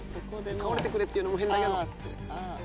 倒れてくれっていうのも変だけど。